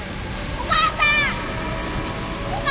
お母さん！